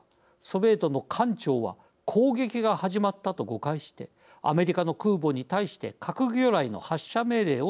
ソビエトの艦長は攻撃が始まったと誤解してアメリカの空母に対して核魚雷の発射命令を出したのです。